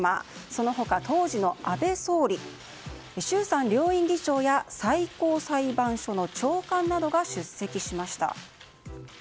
その他、当時の安倍総理衆参両院議長や最高裁判所の長官などが出席しました。